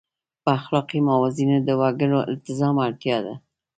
په اخلاقي موازینو د وګړو التزام اړتیا ده.